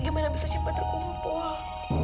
gimana bisa cepat terkumpul